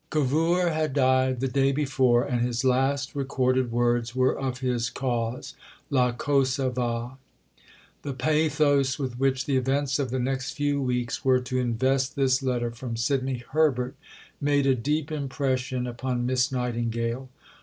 Cavour had died the day before, and his last recorded words were of his Cause: la cosa va. The pathos with which the events of the next few weeks were to invest this letter from Sidney Herbert made a deep impression upon Miss Nightingale.